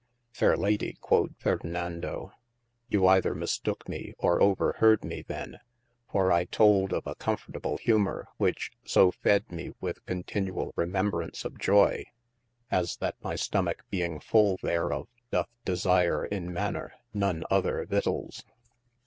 Fayre ladie quod Ferdinado, you either mistoke me or overheard me the : for I told of a cofortable humor which so fed me with cotinuall remebrace of joy, as that my stomack being ful therof doth desire in maner none other vittayles.